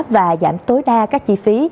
và giảm tối đa các chi phí